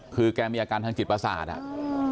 คือแกมีอาการทางจิตประสาทอ่ะ